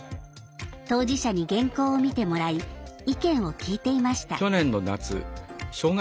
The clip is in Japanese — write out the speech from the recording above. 当事者に原稿を見てもらい意見を聞いていました。